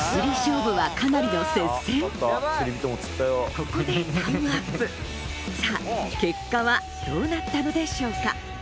ここでタイムアップさぁ結果はどうなったのでしょうか？